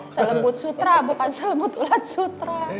selembut sutra bukan selembut ulat sutra